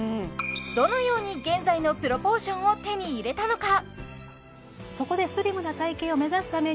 どのように現在のプロポーションを手に入れたのか